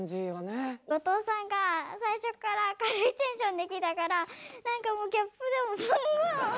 後藤さんが最初っから明るいテンションできたからなんかもうギャップでもうすんごい。